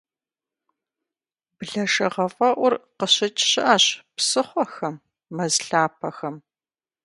Блэшэгъэфӏэӏур къыщыкӏ щыӏэщ псыхъуэхэм, мэз лъапэхэм.